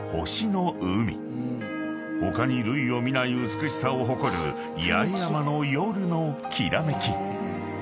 ［他に類を見ない美しさを誇る八重山の夜のきらめき］